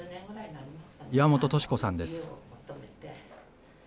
岩本とし子さんです。